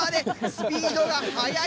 スピードが速い。